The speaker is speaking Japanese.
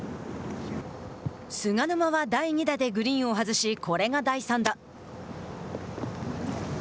菅沼は第２打でグリーンを外しこれが第３打。